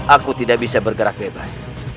aku tidak bisa bergerak bebas